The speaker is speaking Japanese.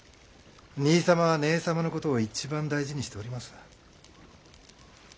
兄様は義姉様のことを一番大事にしております。